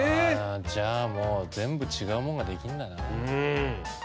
じゃあもう全部違うもんができんだな。